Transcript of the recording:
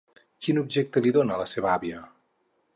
Quin objecte li dona la seva àvia?